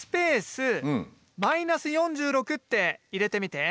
って入れてみて。